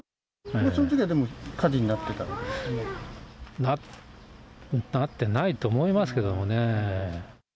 そのときはでも火事になってなってないと思いますけどもね。